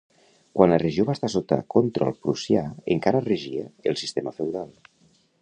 Quan la regió va estar sota control prussià, encara regia el sistema feudal.